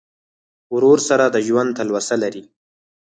ورور سره د ژوند تلوسه لرې.